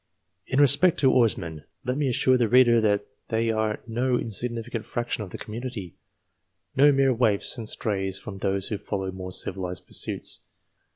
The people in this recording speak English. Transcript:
In respect to Oarsmen, let me assure the reader that they are no insignificant fraction of the community, no mere waifs and strays from those who follow more civilized pursuits.